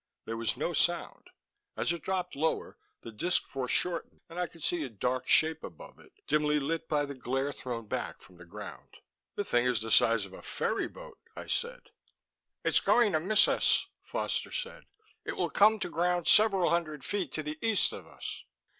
There was no sound. As it dropped lower, the disc foreshortened and I could see a dark shape above it, dimly lit by the glare thrown back from the ground. "The thing is the size of a ferry boat," I said. "It's going to miss us," Foster said. "It will come to ground several hundred feet to the east of us."